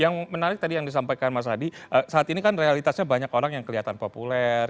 yang menarik tadi yang disampaikan mas adi saat ini kan realitasnya banyak orang yang kelihatan populer